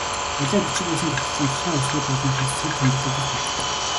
Аливаа бичиг үсгийн тогтолцоо нь тусгай үсгүүд болон цэг тэмдэгтүүдээс бүрддэг.